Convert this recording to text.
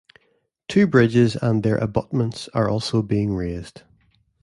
Two bridges and their abutments are also being raised.